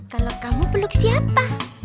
kalau kamu peluk siapa